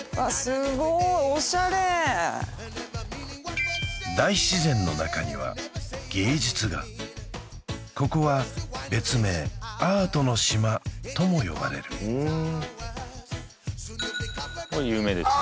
すごい大自然の中には芸術がここは別名「アートの島」とも呼ばれるこれ有名ですね